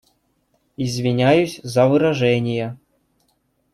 Извиняюсь за выражения.